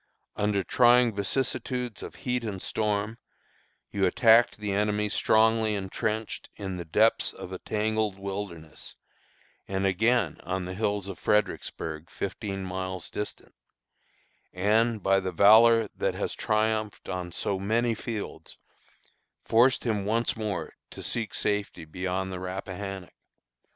"Under trying vicissitudes of heat and storm, you attacked the enemy strongly intrenched in the depths of a tangled wilderness, and again on the hills of Fredericksburg, fifteen miles distant, and, by the valor that has triumphed on so many fields, forced him once more to seek safety beyond the Rappahannock.